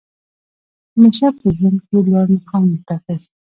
همېشه په ژوند کښي لوړ مقام وټاکئ!